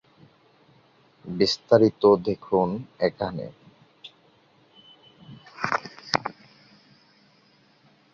বিস্তারিত দেখুন এখানে